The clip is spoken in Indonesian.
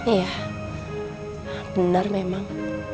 iya benar memang